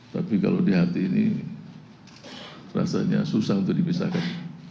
tapi kalau di hati ini rasanya susah untuk dipisahkan